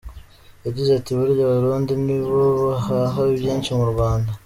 Yagize ati “Burya Abarundi nibo bahaha byinshi mu Rwanda.